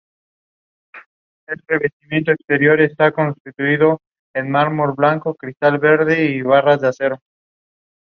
Pal escaped but Bhattacharya was caught on the spot with the revolver.